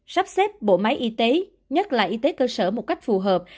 sắp xếp bộ máy y tế nhất là y tế cơ sở một cách phù hợp